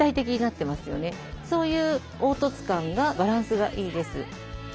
そういう凹凸感がバランスがいいです。